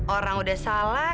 orang udah salah